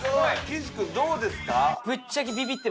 岸君どうですか？